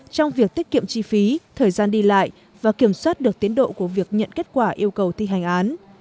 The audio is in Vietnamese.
trong việc tiết kiệm chi phí thời gian đi lại và kiểm soát được tiến độ của việc nhận kết quả yêu cầu thi hành án